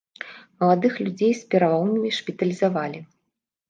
Маладых людзей з пераломамі шпіталізавалі.